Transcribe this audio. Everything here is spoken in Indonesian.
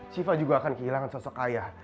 siva juga akan kehilangan sosok ayah